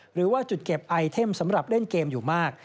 หรือว่าจุดเก็บไอเทมสำหรับเล่นเกมอยู่มาก